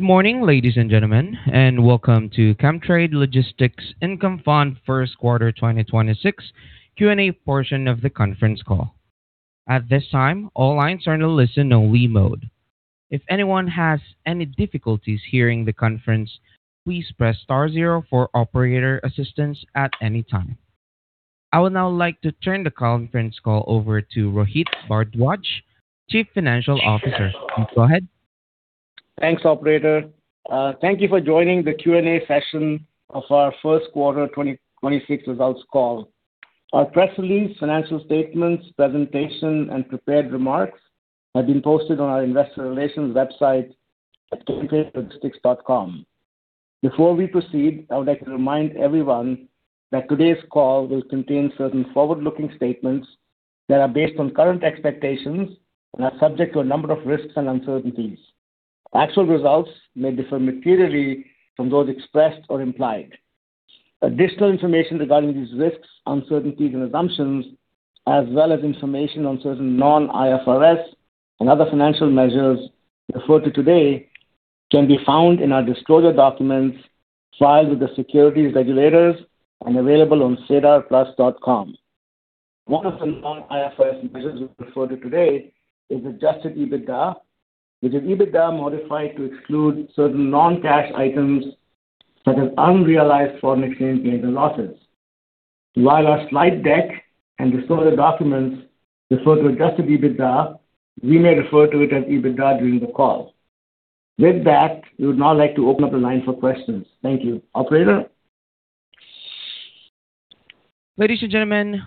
Good morning, ladies and gentlemen, welcome to Chemtrade Logistics Income Fund First Quarter 2026 Q&A portion of the conference call. At this time, all lines are in a listen-only mode. If anyone has any difficulties hearing the conference, please press star zero for operator assistance at any time. I would now like to turn the conference call over to Rohit Bhardwaj, Chief Financial Officer. Please go ahead. Thanks, operator. Thank you for joining the Q&A session of our First Quarter 2026 Results Call. Our press release, financial statements, presentation, and prepared remarks have been posted on our investor relations website at chemtradelogistics.com. Before we proceed, I would like to remind everyone that today's call will contain certain forward-looking statements that are based on current expectations and are subject to a number of risks and uncertainties. Actual results may differ materially from those expressed or implied. Additional information regarding these risks, uncertainties, and assumptions, as well as information on certain non-IFRS and other financial measures referred to today can be found in our disclosure documents filed with the securities regulators and available on sedarplus.com. One of the non-IFRS measures we refer to today is adjusted EBITDA, which is EBITDA modified to exclude certain non-cash items such as unrealized foreign exchange gains and losses. While our slide deck and disclosure documents refer to adjusted EBITDA, we may refer to it as EBITDA during the call. With that, we would now like to open up the line for questions. Thank you. Operator? Your first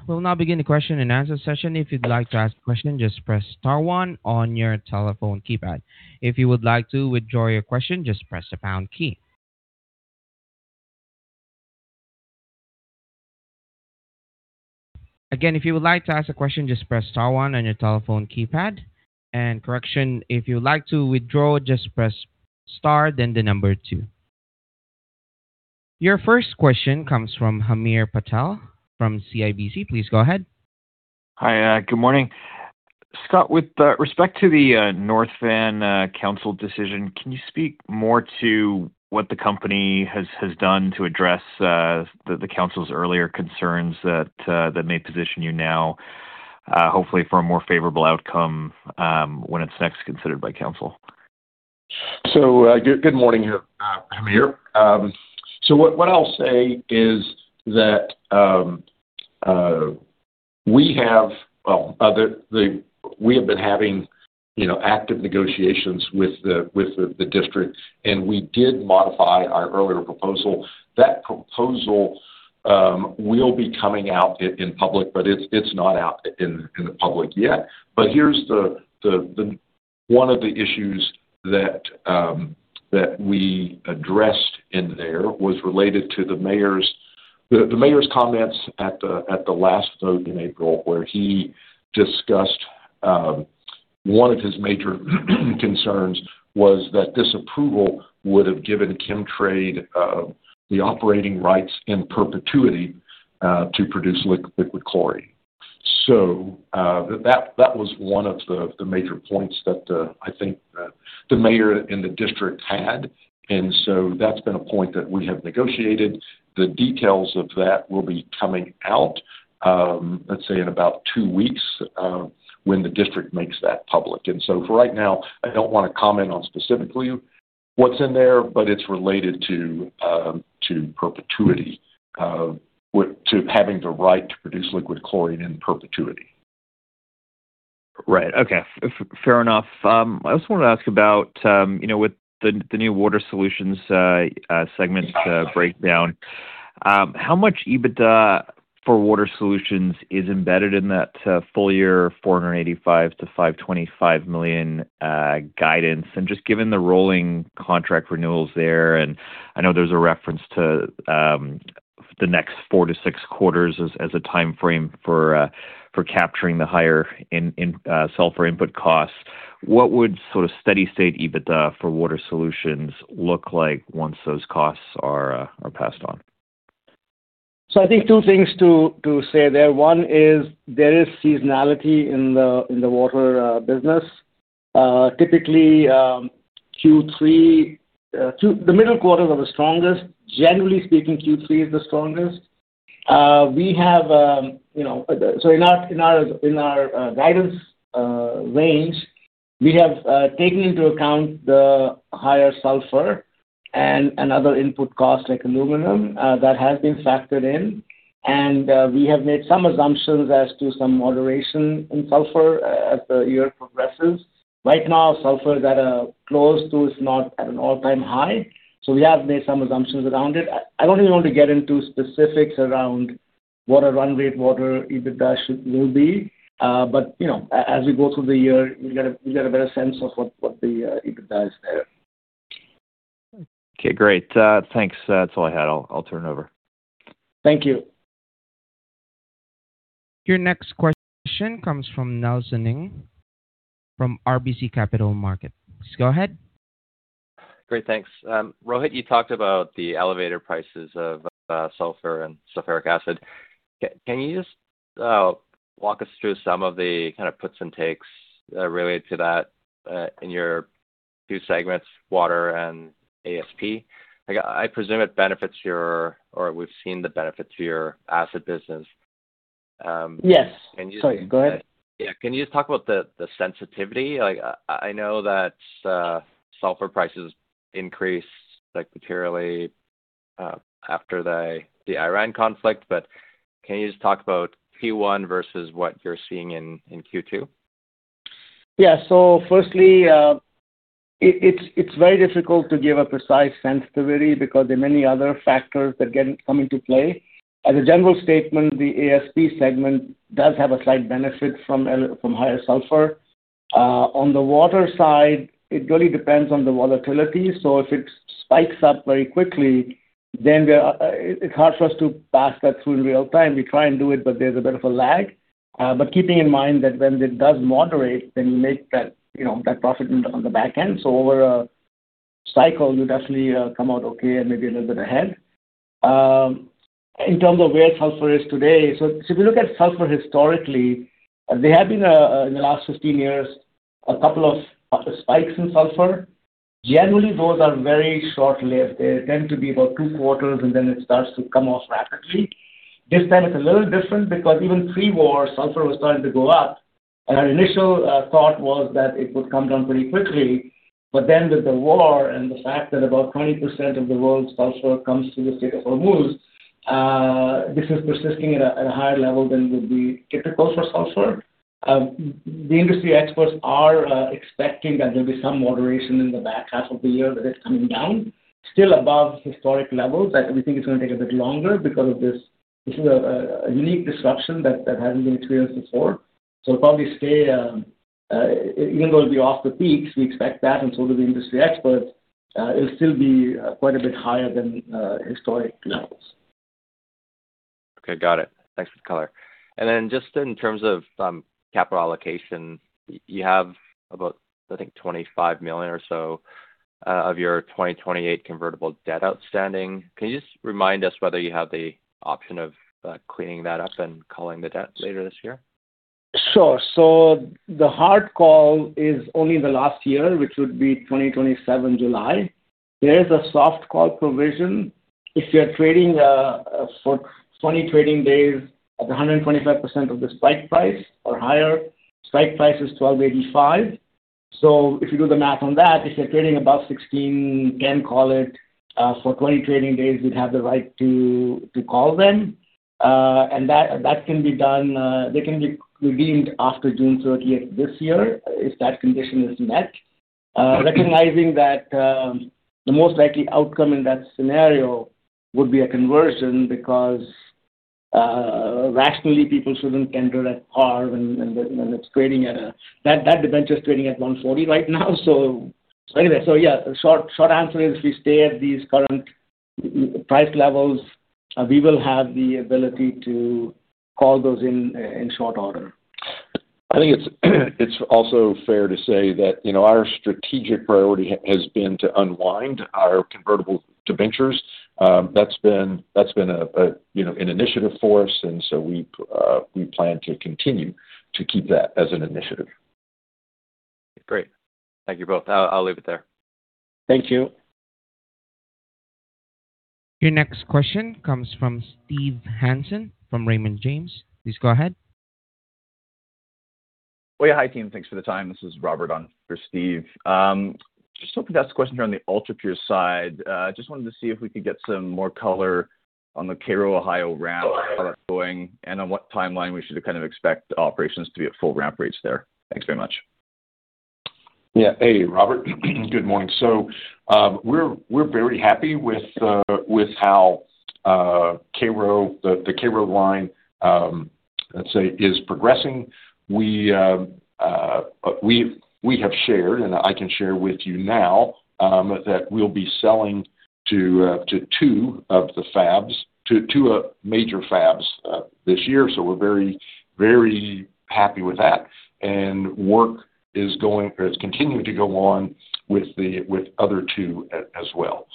question comes from Hamir Patel from CIBC. Please go ahead. Hi, good morning. Scott, with respect to the North Van Council decision, can you speak more to what the company has done to address the council's earlier concerns that that may position you now, hopefully for a more favorable outcome, when it's next considered by council? Good morning, Hamir. Well, we have been having, you know, active negotiations with the district, and we did modify our earlier proposal. That proposal will be coming out in public, but it's not out in the public yet. Here's one of the issues that we addressed in there was related to the mayor's comments at the last vote in April, where he discussed one of his major concerns was that this approval would have given Chemtrade the operating rights in perpetuity to produce liquid chlorine. That was one of the major points that I think the mayor and the district had. That's been a point that we have negotiated. The details of that will be coming out, let's say in about two weeks, when the district makes that public. For right now, I don't wanna comment on specifically what's in there, but it's related to perpetuity, to having the right to produce liquid chlorine in perpetuity. Right. Okay. Fair enough. I also wanted to ask about, you know, with the new water solutions segment breakdown. How much EBITDA for water solutions is embedded in that full year 485 million to 525 million guidance? Just given the rolling contract renewals there, and I know there's a reference to the next four to six quarters as a timeframe for capturing the higher sulfur input costs, what would sort of steady state EBITDA for water solutions look like once those costs are passed on? I think two things to say there. One is there is seasonality in the water business. Typically, Q3, the middle quarters are the strongest. Generally speaking, Q3 is the strongest. We have, you know, in our guidance range, we have taken into account the higher sulphur and another input cost like aluminum, that has been factored in. We have made some assumptions as to some moderation in sulphur as the year progresses. Right now, sulphur is at a close to, if not at an all-time high. We have made some assumptions around it. I don't even want to get into specifics around what our run-rate water solutions EBITDA will be. You know, as we go through the year, we'll get a better sense of what the EBITDA is there. Okay, great. Thanks. That's all I had. I'll turn it over. Thank you. Your next question comes from Nelson Ng from RBC Capital Markets. Please go ahead. Great, thanks. Rohit, you talked about the elevated prices of sulfur and sulphuric acid. Can you just walk us through some of the kind of puts and takes related to that in your two segments, water and ASP? Like, I presume it benefits your or we've seen the benefit to your acid business. Yes. Can you? Sorry, go ahead. Yeah, can you just talk about the sensitivity? Like, I know that sulphur prices increased, like, materially after the Iran conflict. Can you just talk about Q1 versus what you're seeing in Q2? Yeah. Firstly, it's very difficult to give a precise sensitivity because there are many other factors that come into play. As a general statement, the ASP segment does have a slight benefit from higher sulfur. On the water side, it really depends on the volatility. If it spikes up very quickly, then it's hard for us to pass that through in real time. We try and do it, there's a bit of a lag. Keeping in mind that when it does moderate, we make that, you know, that profit on the back end. Over a cycle, you definitely come out okay and maybe a little bit ahead. In terms of where sulfur is today, if you look at sulfur historically, there have been in the last 15 years, a couple of spikes in sulfur. Generally, those are very short-lived. They tend to be about two quarters, and then it starts to come off rapidly. This time it's a little different because even pre-war, sulfur was starting to go up. Our initial thought was that it would come down pretty quickly. With the war and the fact that about 20% of the world's sulfur comes through the Strait of Hormuz, this is persisting at a higher level than would be typical for sulfur. The industry experts are expecting that there'll be some moderation in the back half of the year, that it's coming down. Still above historic levels. Like, we think it's gonna take a bit longer because of this. THis is a unique disruption that hasn't been experienced before. It'll probably stay, even though it'll be off the peaks, we expect that and so do the industry experts, it'll still be quite a bit higher than historic levels. Okay. Got it. Thanks for the color. Just in terms of capital allocation, you have about, I think, 25 million or so of your 2028 convertible debt outstanding. Can you just remind us whether you have the option of cleaning that up and calling the debt later this year? Sure. The hard call is only the last year, which would be 2027 July. There is a soft call provision. If you are trading for 20 trading days at 125% of the strike price or higher. Strike price is 12.85. If you do the math on that, if you're trading above 16, you can call it for 20 trading days, we'd have the right to call then. That can be done, they can be redeemed after June 30th this year if that condition is met. Recognizing that the most likely outcome in that scenario would be a conversion because rationally people shouldn't enter at par when that debenture is trading at 140 right now. Short answer is if we stay at these current price levels, we will have the ability to call those in short order. I think it's also fair to say that, you know, our strategic priority has been to unwind our convertible debentures. That's been a, you know, an initiative for us. We plan to continue to keep that as an initiative. Great. Thank you both. I'll leave it there. Thank you. Your next question comes from Steve Hansen from Raymond James. Please go ahead. Oh, yeah. Hi, team. Thanks for the time. This is Robert on for Steve. just hoping to ask a question here on the UltraPure side. just wanted to see if we could get some more color on the Cairo, Ohio ramp, how that's going, and on what timeline we should kind of expect operations to be at full ramp rates there. Thanks very much. Yeah. Hey, Robert. Good morning. We're very happy with how the Cairo line, let's say, is progressing. We have shared, and I can share with you now, that we'll be selling to two of the fabs, to two major fabs this year. We're very happy with that. Work is continuing to go on with other two as well.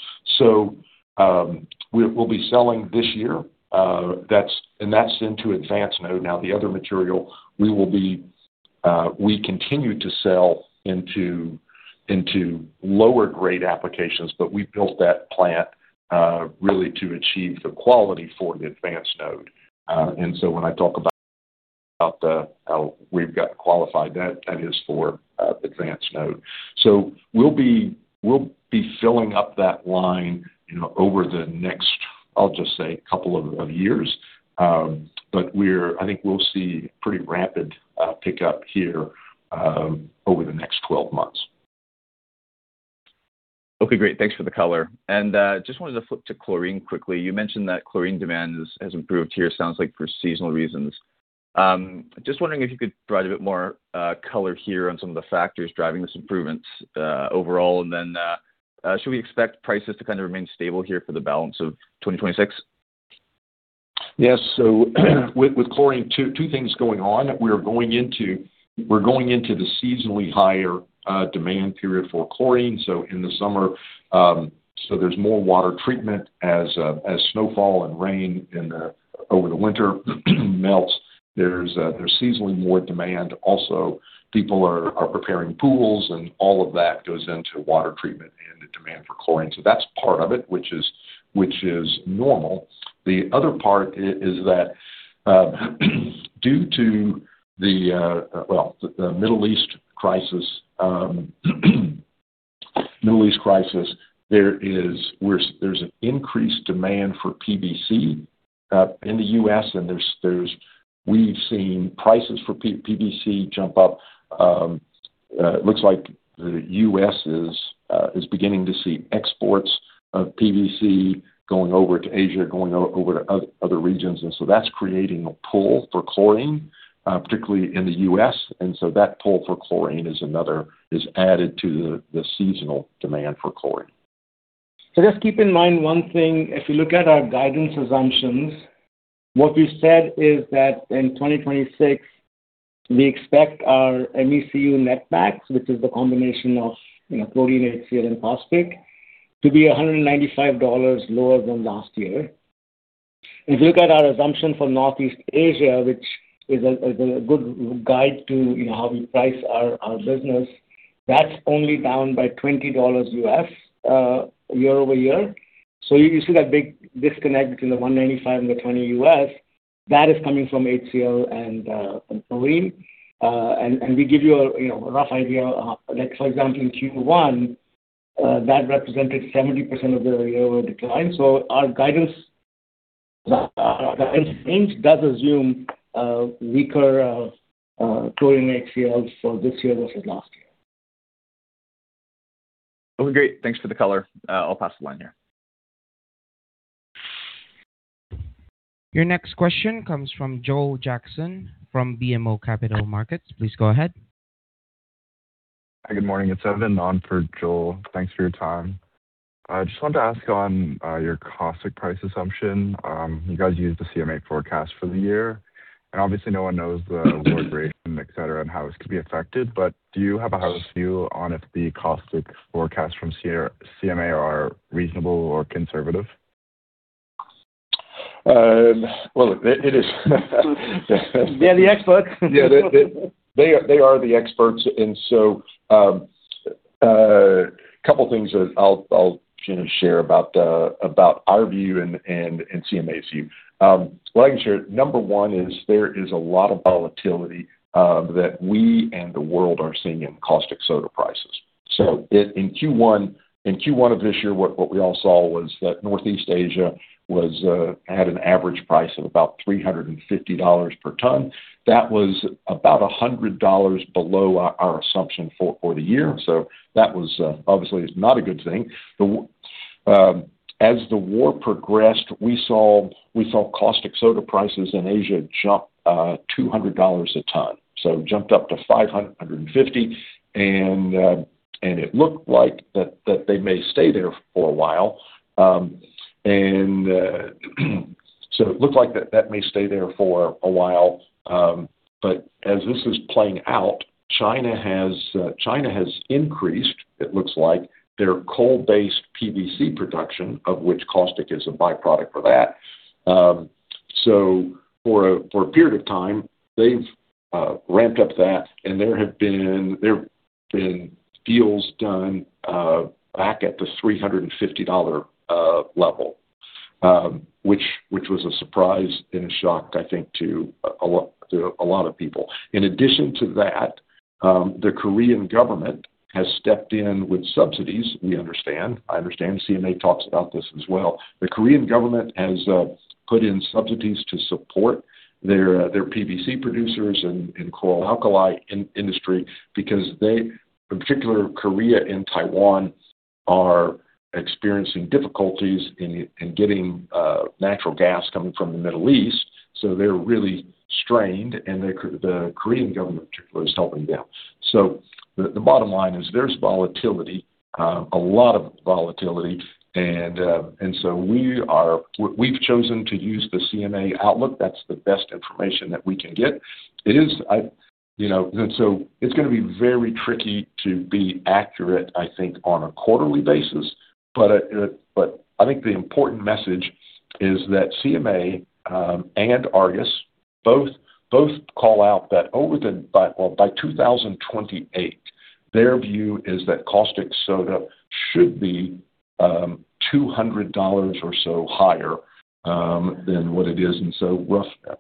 We'll be selling this year. That's into advanced node. Now, the other material we will be, we continue to sell into lower grade applications, but we built that plant really to achieve the quality for the advanced node. When I talk about the how we've got qualified, that is for advanced node. We'll be filling up that line, you know, over the next, I'll just say, couple of years. I think we'll see pretty rapid pickup here over the next 12 months. Okay. Great. Thanks for the color. Just wanted to flip to chlorine quickly. You mentioned that chlorine demand has improved here, sounds like for seasonal reasons. Just wondering if you could provide a bit more color here on some of the factors driving this improvement overall. Should we expect prices to kind of remain stable here for the balance of 2026? Yes. With chlorine, two things going on. We're going into the seasonally higher demand period for chlorine. In the summer, there's more water treatment as snowfall and rain over the winter melts. There's seasonally more demand. Also, people are preparing pools and all of that goes into water treatment and the demand for chlorine. That's part of it, which is normal. The other part is that, due to the well, the Middle East crisis, there's an increased demand for PVC in the U.S. and we've seen prices for PVC jump up. Looks like the U.S. is beginning to see exports of PVC going over to Asia, going over to other regions. That's creating a pull for chlorine, particularly in the U.S. That pull for chlorine is added to the seasonal demand for chlorine. Just keep in mind 1 thing. If you look at our guidance assumptions, what we said is that in 2026, we expect our MECU net acks, which is the combination of, you know, chlorine, HCl, and caustic to be 195 dollars lower than last year. If you look at our assumption for Northeast Asia, which is a good guide to, you know, how we price our business, that's only down by $20 year-over-year. You see that big disconnect between the 195 and the $20. That is coming from HCl and chlorine. And we give you a, you know, a rough idea. Like for example, in Q1, that represented 70% of the year-over-decline. Our guidance, our guidance range does assume weaker chlorine, HCl for this year versus last year. Okay, great. Thanks for the color. I'll pass the line here. Your next question comes from Joel Jackson from BMO Capital Markets. Please go ahead. Hi, good morning. It's Evan on for Joel. Thanks for your time. I just wanted to ask on your caustic price assumption. You guys used the CMA forecast for the year, and obviously no one knows the war duration, et cetera, and how this could be affected. Do you have a house view on if the caustic forecast from CMA are reasonable or conservative? Well, it is. They're the experts. Yeah. They are the experts. Couple things that I'll, you know, share about our view and CMA's view. Well, I can share number one is there is a lot of volatility that we and the world are seeing in caustic soda prices. In Q1 of this year, what we all saw was that Northeast Asia was had an average price of about 350 dollars per ton. That was about 100 dollars below our assumption for the year. That was obviously is not a good thing. As the war progressed, we saw caustic soda prices in Asia jump 200 dollars a ton. It jumped up to 550. It looked like that they may stay there for a while. It looked like that may stay there for a while. As this is playing out, China has increased, it looks like, their coal-based PVC production, of which caustic is a byproduct for that. For a period of time, they've ramped up that, and there have been deals done back at the 350 dollar level, which was a surprise and a shock, I think, to a lot of people. In addition to that, the Korean government has stepped in with subsidies, we understand. I understand CMA talks about this as well. The Korean government has put in subsidies to support their PVC producers and chlor-alkali industry because they, in particular Korea and Taiwan are experiencing difficulties in getting natural gas coming from the Middle East. They're really strained, and the Korean government in particular is helping them. The bottom line is there's volatility, a lot of volatility. We've chosen to use the CMA outlook. That's the best information that we can get. You know, it's gonna be very tricky to be accurate, I think, on a quarterly basis. I think the important message is that CMA and Argus both call out that by 2028, their view is that caustic soda should be 200 dollars or so higher than what it is,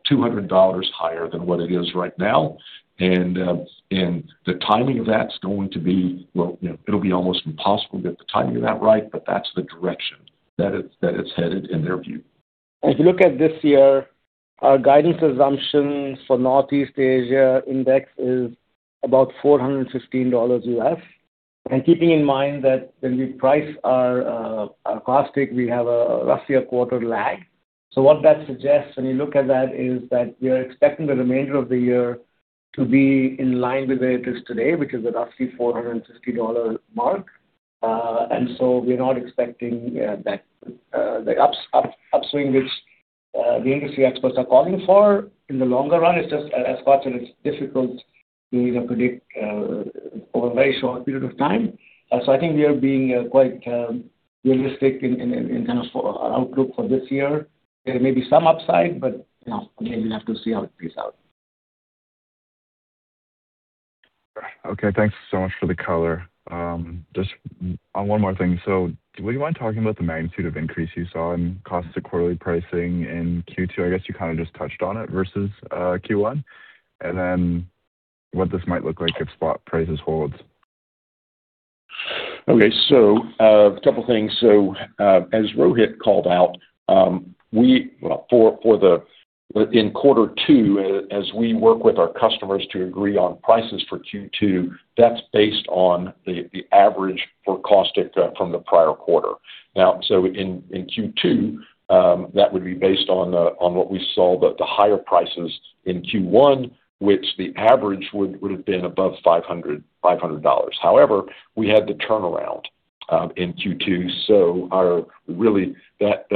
200 dollars higher than what it is right now. The timing of that's going to be, you know, it'll be almost impossible to get the timing of that right, but that's the direction that it's, that it's headed in their view. If you look at this year, our guidance assumptions for Northeast Asia index is about $415. Keeping in mind that when we price our caustic, we have roughly a quarter lag. What that suggests when you look at that is that we are expecting the remainder of the year to be in line with where it is today, which is at roughly 450 dollar mark. We're not expecting that the upswing which the industry experts are calling for in the longer run. It's just as far as it's difficult to either predict over a very short period of time. I think we are being quite realistic in terms for our outlook for this year. There may be some upside, but, you know, again, we have to see how it plays out. Okay. Thanks so much for the color. Just on one more thing. Would you mind talking about the magnitude of increase you saw in costs of quarterly pricing in Q2? I guess you kind of just touched on it versus Q1. What this might look like if spot prices holds. Okay. A couple things. As Rohit called out, in quarter two, as we work with our customers to agree on prices for Q2, that's based on the average for caustic from the prior quarter. In Q2, that would be based on what we saw the higher prices in Q1, which the average would have been above 500 dollars. However, we had the turnaround in Q2, really that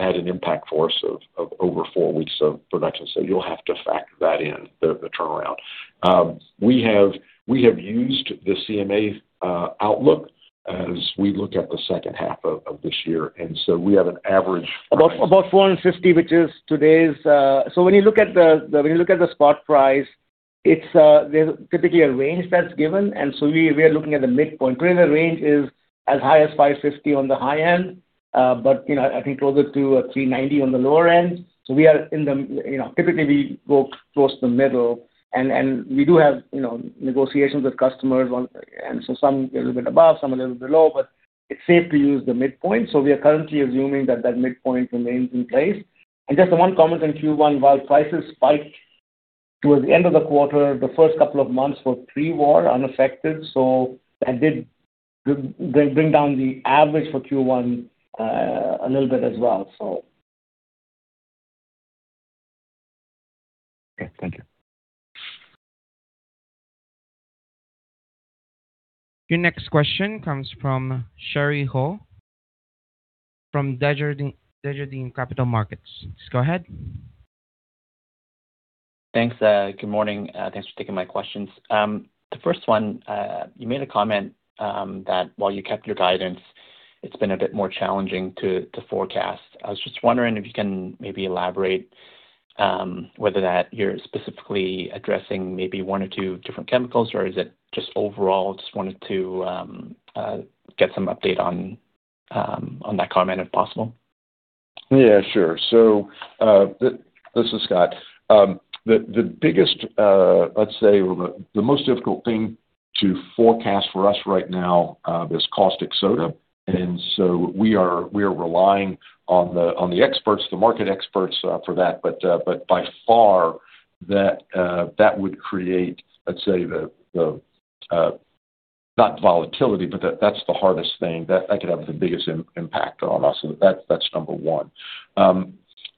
had an impact for us of over four weeks of production. You'll have to factor that in the turnaround. We have used the CMA outlook as we look at the second half of this year, we have an average price. About 450, which is today's. When you look at the spot price, there's typically a range that's given, so we are looking at the midpoint. Currently, the range is as high as 550 on the high end, you know, I think closer to 390 on the lower end. We are in the, you know, typically we go close to the middle. We do have, you know, negotiations with customers. Some a little bit above, some a little below, but it's safe to use the midpoint. We are currently assuming that midpoint remains in place. Just one comment on Q1, while prices spiked towards the end of the quarter, the first couple of months were pre-war unaffected, so that did bring down the average for Q1 a little bit as well. Okay. Thank you. Your next question comes from Gary Ho from Desjardins Capital Markets. Please go ahead. Thanks. Good morning. Thanks for taking my questions. The first one, you made a comment that while you kept your guidance, it's been a bit more challenging to forecast. I was just wondering if you can maybe elaborate, whether that you're specifically addressing maybe one or two different chemicals or is it just overall? Just wanted to get some update on that comment, if possible. Yeah, sure. This is Scott. The biggest, let's say the most difficult thing to forecast for us right now, is caustic soda. We are relying on the experts, the market experts, for that. By far that would create, let's say the, not volatility, but that's the hardest thing. That could have the biggest impact on us. That's number one.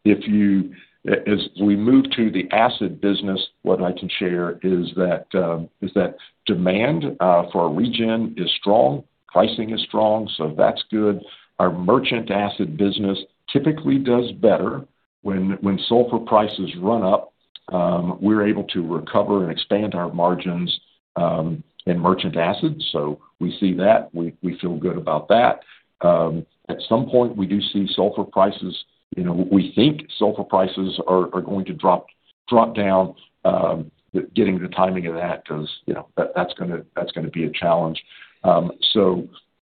As we move to the acid business, what I can share is that demand for our regen is strong. Pricing is strong, that's good. Our merchant acid business typically does better. When sulfur prices run up, we're able to recover and expand our margins in merchant acid. We see that. We feel good about that. At some point we do see sulfur prices, you know, we think sulfur prices are going to drop down. Getting the timing of that, because, you know, that's gonna be a challenge.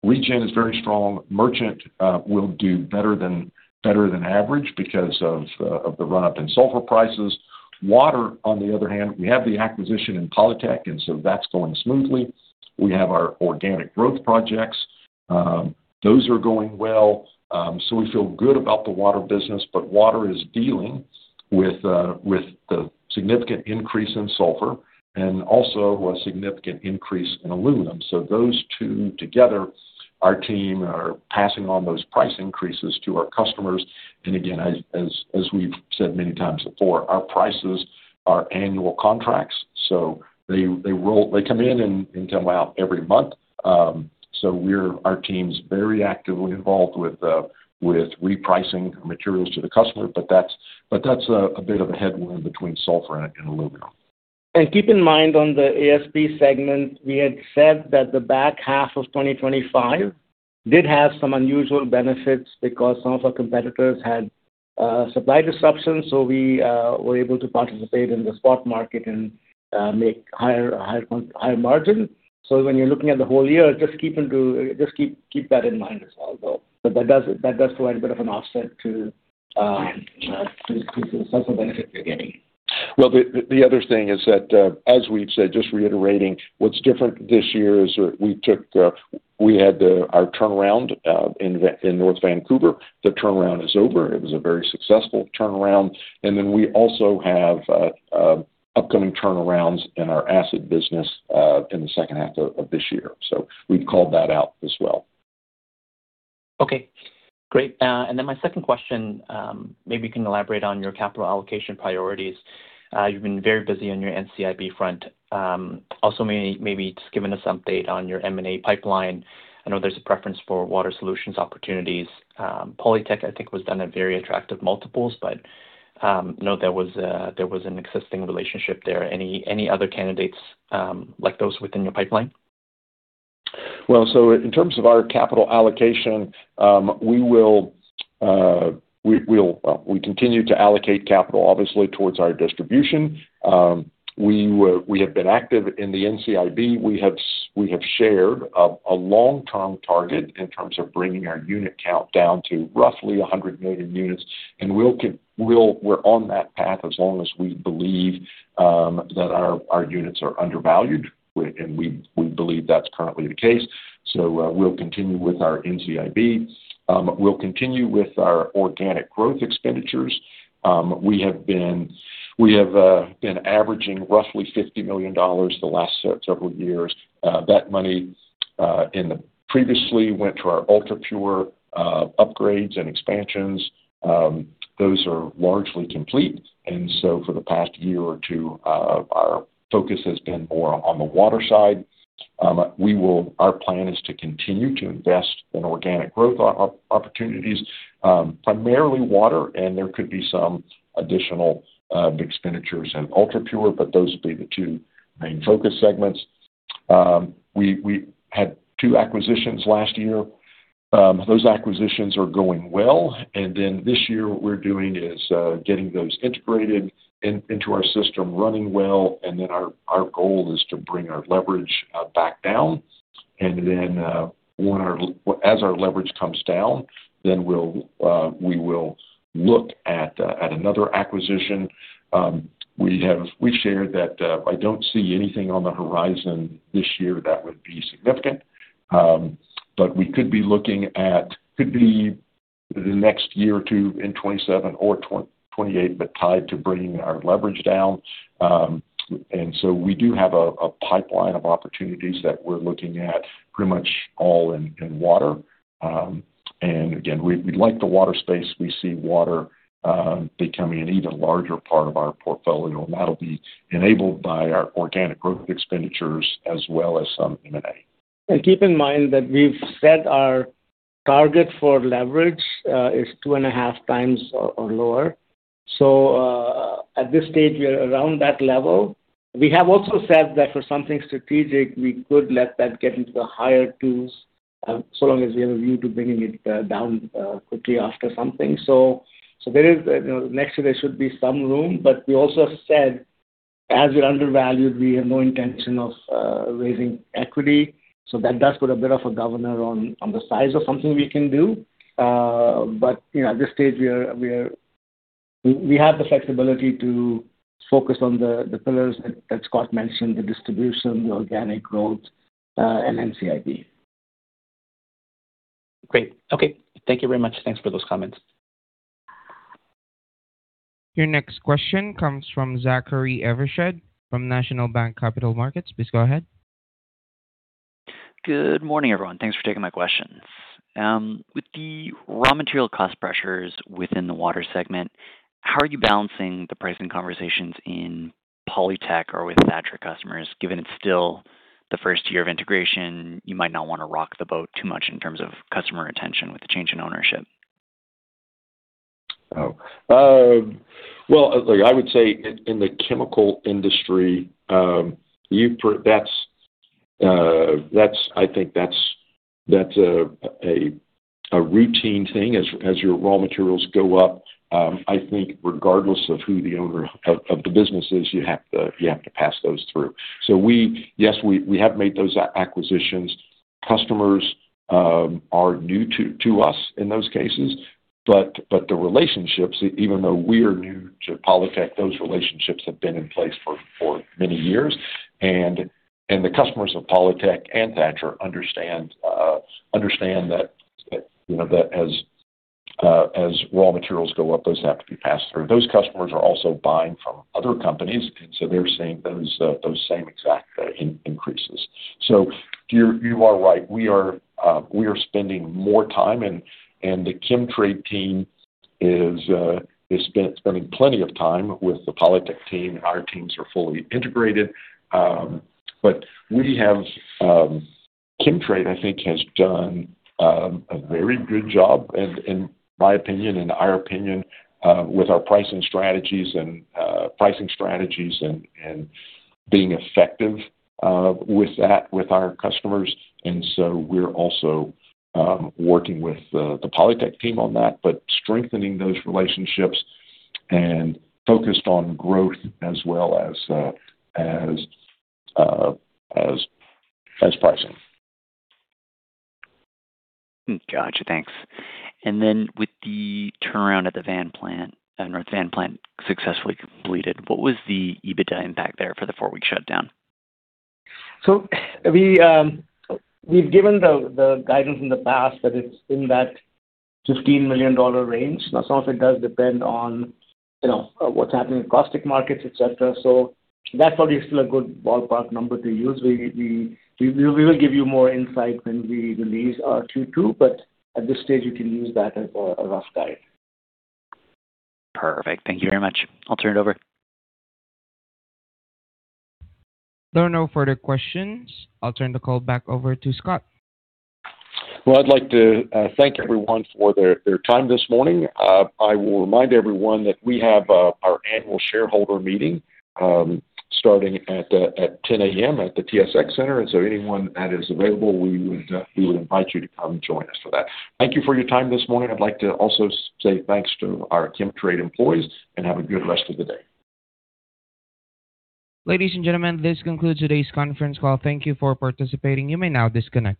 Regen is very strong. Merchant will do better than average because of the run-up in sulfur prices. Water, on the other hand, we have the acquisition in Polytec, so that's going smoothly. We have our organic growth projects. Those are going well. We feel good about the Water business, but Water is dealing with the significant increase in sulfur and also a significant increase in aluminum. Those two together, our team are passing on those price increases to our customers. Again, as we've said many times before, our prices are annual contracts, so they come in and come out every month. Our team's very actively involved with repricing materials to the customer, but that's a bit of a headwind between sulfur and aluminum. Keep in mind on the ASP segment, we had said that the back half of 2025 did have some unusual benefits because some of our competitors had supply disruptions. We were able to participate in the spot market and make higher margin. When you're looking at the whole year, just keep that in mind as well, though. That does provide a bit of an offset to, you know, to the sulfur benefit you're getting. Well, the other thing is that, as we've said, just reiterating what's different this year is we took, we had our turnaround in North Vancouver. The turnaround is over. It was a very successful turnaround. We also have upcoming turnarounds in our acid business in the second half of this year. We've called that out as well. Okay, great. My second question, maybe you can elaborate on your capital allocation priorities. You've been very busy on your NCIB front. Also maybe just giving us update on your M&A pipeline. I know there's a preference for Water Solutions opportunities. Polytec, I think, was done at very attractive multiples, but. You know, there was an existing relationship there. Any other candidates, like those within your pipeline? In terms of our capital allocation, we'll continue to allocate capital obviously towards our distribution. We have been active in the NCIB. We have shared a long-term target in terms of bringing our unit count down to roughly 100 million units. We're on that path as long as we believe that our units are undervalued. We believe that's currently the case. We'll continue with our NCIB. We'll continue with our organic growth expenditures. We have been averaging roughly 50 million dollars the last several years. That money previously went to our UltraPure upgrades and expansions. Those are largely complete. For the past year or two, our focus has been more on the water side. Our plan is to continue to invest in organic growth opportunities, primarily water, and there could be some additional expenditures in UltraPure, but those will be the two main focus segments. We had two acquisitions last year. Those acquisitions are going well. This year, what we're doing is getting those integrated into our system, running well, and then our goal is to bring our leverage back down. As our leverage comes down, then we'll look at another acquisition. We shared that I don't see anything on the horizon this year that would be significant. We could be looking at, could be the next year or two in 2027 or 2028, but tied to bringing our leverage down. We do have a pipeline of opportunities that we're looking at pretty much all in water. Again, we like the water space. We see water becoming an even larger part of our portfolio, and that'll be enabled by our organic growth expenditures as well as some M&A. Keep in mind that we've set our target for leverage is 2.5x or lower. At this stage, we are around that level. We have also said that for something strategic, we could let that get into the higher twos, so long as we have a view to bringing it down quickly after something. There is, you know, next year there should be some room. We also have said, as we're undervalued, we have no intention of raising equity. That does put a bit of a governor on the size of something we can do. But you know, at this stage, we have the flexibility to focus on the pillars that Scott mentioned, the distribution, the organic growth, and NCIB. Great. Okay. Thank you very much. Thanks for those comments. Your next question comes from Zachary Evershed from National Bank Capital Markets. Please go ahead. Good morning, everyone. Thanks for taking my questions. With the raw material cost pressures within the water segment, how are you balancing the pricing conversations in Polytec or with Thatcher customers, given it's still the first year of integration, you might not wanna rock the boat too much in terms of customer retention with the change in ownership? Well, look, I would say in the chemical industry, that's I think a routine thing. As your raw materials go up, I think regardless of who the owner of the business is, you have to pass those through. Yes, we have made those acquisitions. Customers are new to us in those cases, but the relationships, even though we are new to Polytec, those relationships have been in place for many years. The customers of Polytec and Thatcher understand, you know, that as raw materials go up, those have to be passed through. Those customers are also buying from other companies, they're seeing those same exact increases. You are right. We are spending more time and the Chemtrade team is spending plenty of time with the Polytec team, and our teams are fully integrated. We have Chemtrade, I think, has done a very good job, in my opinion, in our opinion, with our pricing strategies and being effective with that with our customers. We're also working with the Polytec team on that, but strengthening those relationships and focused on growth as well as pricing. Gotcha. Thanks. Then with the turnaround at the Van plant, the Van plant successfully completed, what was the EBITDA impact there for the four-week shutdown? We've given the guidance in the past that it's in that 15 million dollar range. Some of it does depend on, you know, what's happening in caustic markets, et cetera. That's probably still a good ballpark number to use. We will give you more insight when we release our Q2, but at this stage, you can use that as a rough guide. Perfect. Thank you very much. I'll turn it over. There are no further questions. I'll turn the call back over to Scott. I'd like to thank everyone for their time this morning. I will remind everyone that we have our annual shareholder meeting starting at 10:00 A.M. at the TSX Center. Anyone that is available, we would invite you to come join us for that. Thank you for your time this morning. I'd like to also say thanks to our Chemtrade employees and have a good rest of the day. Ladies and gentlemen, this concludes today's conference call. Thank you for participating. You may now disconnect.